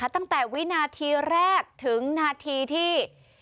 ตั้งแต่วินาทีแรกถึงนาทีที่